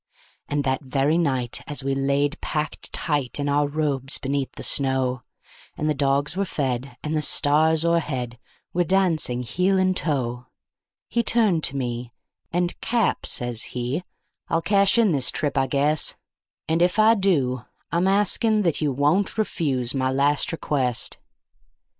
And that very night, as we lay packed tight in our robes beneath the snow, And the dogs were fed, and the stars o'erhead were dancing heel and toe, He turned to me, and "Cap," says he, "I'll cash in this trip, I guess; And if I do, I'm asking that you won't refuse my last request."